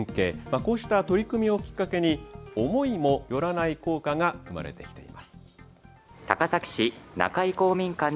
こうした取り組みをきっかけに思いもよらない効果が生まれてきています。